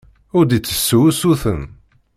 Ur d-ittessu usuten.